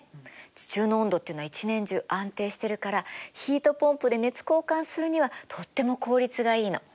地中の温度っていうのは一年中安定してるからヒートポンプで熱交換するにはとっても効率がいいの。